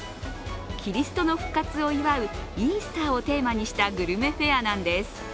キリストの復活を祝うイースターをテーマにしたグルメフェアなんです。